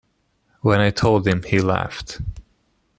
When I told him, he laughed.